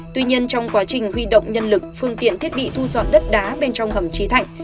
tuy nhiên trong quá trình huy động nhân lực phương tiện thiết bị thu dọn đất đá bên trong hầm trí thạnh